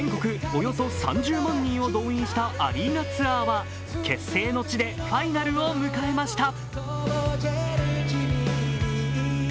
およそ３０万人を動員したアリーナツアーは、結成の地でファイナルを迎えました。